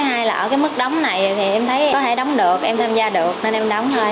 thứ hai là ở cái mức đóng này thì em thấy có thể đóng được em tham gia được nên em đóng thôi